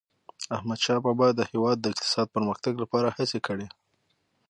احمدشاه بابا د هیواد د اقتصادي پرمختګ لپاره هڅي کړي.